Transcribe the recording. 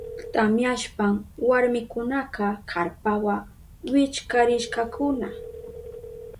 Tamyashpan warmikunaka karpawa wichkarishkakuna.